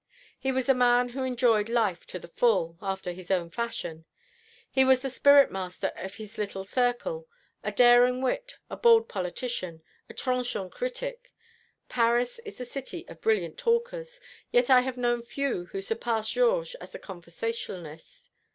He was a man who enjoyed life to the full after his own fashion. He was the master spirit of his little circle a daring wit, a bold politician, a trenchant critic. Paris is the city of brilliant talkers, yet I have known few who surpassed Georges as a conversationalist.